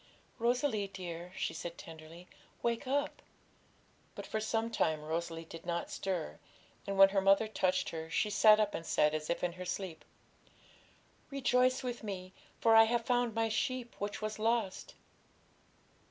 'Rosalie, dear,' she said tenderly, 'wake up!' But for some time Rosalie did not stir, and, when her mother touched her, she sat up, and said, as if in her sleep '"Rejoice with Me, for I have found My sheep which was lost."'